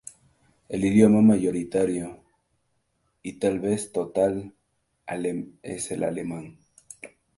El idioma mayoritario y tal vez total es el alemán.